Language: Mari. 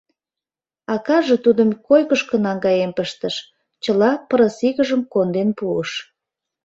Акаже тудым койкышко наҥгаен пыштыш, чыла пырысигыжым конден пуыш.